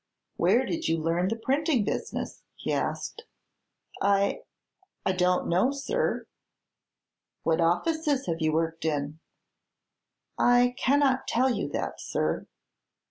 "Where did you learn the printing business?" he asked. "I I don't know, sir." "What offices have you worked in?" "I cannot tell you that, sir."